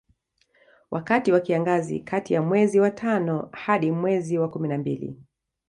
Wakati wa kiangazi kati ya mwezi wa tano hadi mwezi wa kumi na mbili